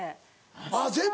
あっ全部。